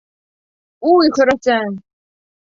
Уй, хөрәсән!